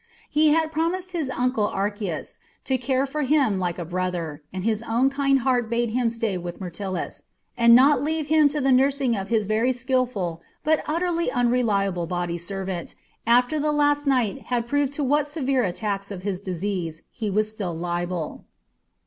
He had promised his uncle Archias to care for him like a brother, and his own kind heart bade him stay with Myrtilus, and not leave him to the nursing of his very skilful but utterly unreliable body servant, after the last night had proved to what severe attacks of his disease he was still liable.